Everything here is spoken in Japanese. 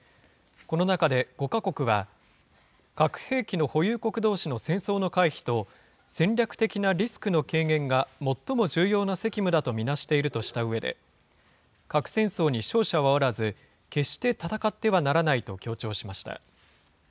この中で５か国は、核兵器の保有国どうしの戦争の回避と、戦略的なリスクの軽減が最も重要な責務だと見なしているとしたうえで、核戦争に勝者はおらず、決して戦ってはならないと強調しました。